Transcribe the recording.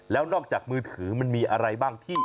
แล้วนอกจากมือถือมันมีอะไรบ้างที่